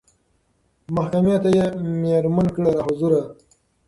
محکمې ته یې مېرمن کړه را حضوره